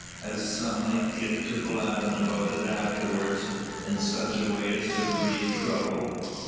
An some might get to blabbin' about it afterwards, in such a way as to breed trouble.